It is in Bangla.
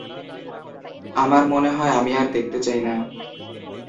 আমার মনে হয়, আমি আর দেখতে চাই না।